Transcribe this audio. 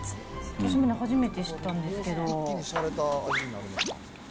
私もね、初めて知ったんですけど。